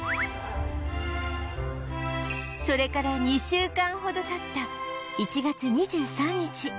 それから２週間ほど経った１月２３日